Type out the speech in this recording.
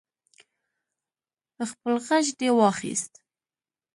خپل غچ دې واخست.